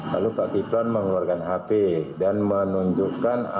lalu pak kiflan mengeluarkan hp dan menunjukkan ke mobilnya